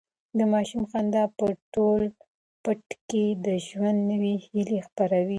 د ماشوم خندا په ټول پټي کې د ژوند نوي هیلې خپرولې.